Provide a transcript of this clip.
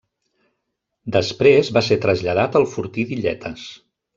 Després va ser traslladat al fortí d'Illetes.